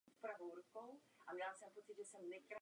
Čenich je vždy černé barvy.